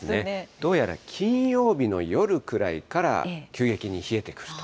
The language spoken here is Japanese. どうやら金曜日の夜くらいから、急激に冷えてくると。